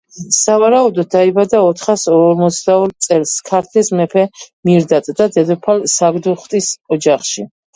სავარაუდოდ, დაიბადა ოთხას ორმოცდაორ წელს ქართლის მეფე მირდატ და დედოფალ საგდუხტის ოჯახში